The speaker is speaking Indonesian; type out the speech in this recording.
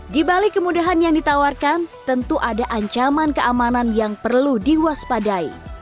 di balik kemudahan yang ditawarkan tentu ada ancaman keamanan yang perlu diwaspadai